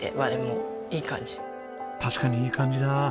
確かにいい感じだ。